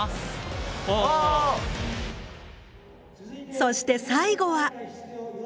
そして最後は。